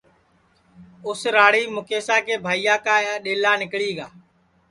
اُس راڑیم مُکیشا کے بھائیا کا ڈؔیلا نیکݪی گا